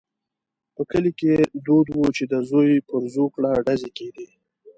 په کلي کې دود وو چې د زوی پر زوکړه ډزې کېدې.